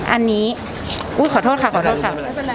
อันนี้อุ้ยขอโทษค่ะขอโทษค่ะ